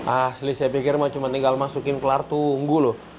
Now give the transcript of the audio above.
asli saya pikir mau cuma tinggal masukin kelar tunggu loh